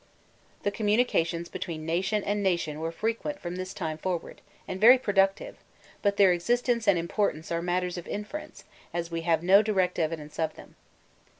The communications between nation and nation were frequent from this time forward, and very productive, but their existence and importance are matters of inference, as we have no direct evidence of them.